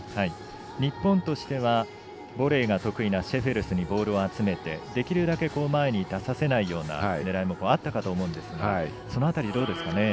日本としてはボレーが得意なシェフェルスにボールを集めてできるだけ前に出させないような狙いもあったかと思うんですがその辺り、どうですかね。